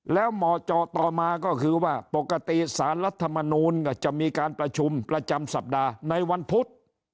แล้วเหมาะเจาะต่อมาก็คือว่าปกติสารรัฐมนูลก็จะมีการประชุมประจำสัปดาห์ในวันพุธ